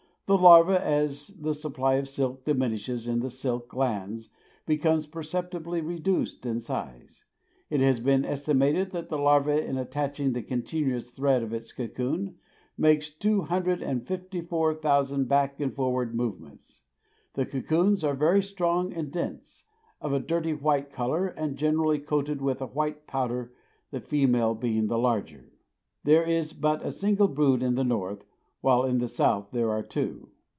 The larva, as the supply of silk diminishes in the silk glands, becomes perceptibly reduced in size. It has been estimated that the larva, in attaching the continuous thread of its cocoon, makes two hundred and fifty four thousand back and forward movements. The cocoons are very strong and dense, of a dirty white color and generally coated with a white powder, the female being the larger. There is but a single brood in the north, while in the south there are two.